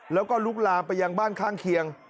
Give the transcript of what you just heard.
แล้วก็ลุกลามไปยังบ้านข้างเคียง